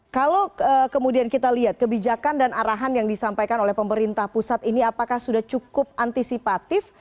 kalau kemudian kita lihat kebijakan dan arahan yang disampaikan oleh pemerintah pusat ini apakah sudah cukup antisipatif